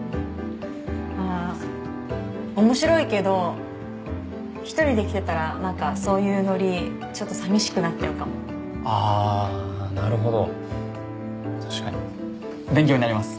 ああー面白いけど１人で来てたらなんかそういうノリちょっとさみしくなっちゃうかもああーなるほど確かに勉強になります